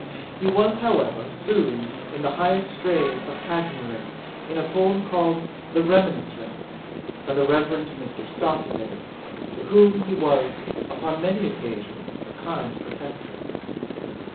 He was, however, soothed in the highest strain of panegyrick, in a poem called The Remonstrance, by the Rev. Mr. Stockdale, to whom he was, upon many occasions, a kind protector.